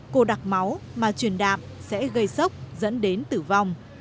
cô đặc máu mà truyền đạm sẽ gây sốc dẫn đến tử vong